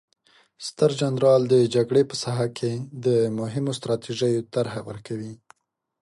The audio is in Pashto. ستر جنرال د جګړې په ساحه کې د مهمو ستراتیژیو طرحه ورکوي.